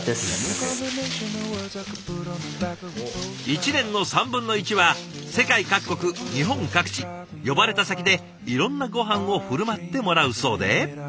一年の３分の１は世界各国日本各地呼ばれた先でいろんなごはんを振る舞ってもらうそうで。